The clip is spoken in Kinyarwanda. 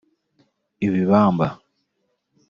ibibamba